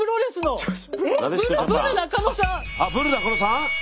あっブル中野さん